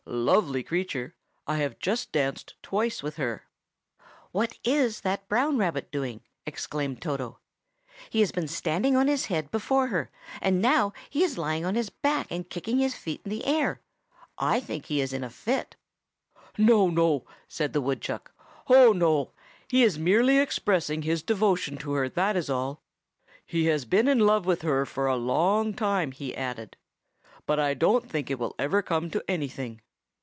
Lovely creature! I have just danced twice with her." "What is that brown rabbit doing?" exclaimed Toto. "He has been standing on his head before her, and now he is lying on his back and kicking his feet in the air. I think he is in a fit." "No, no," said the woodchuck. "Oh, no. He is merely expressing his devotion to her, that is all. He has been in love with her for a long time," he added, "but I don't think it will ever come to anything.